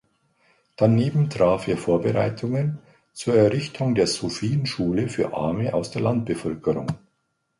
Daneben traf er Vorbereitungen zur Errichtung der Sophienschule für Arme aus der Landbevölkerung.